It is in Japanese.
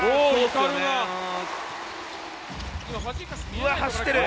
うわっ、走ってる。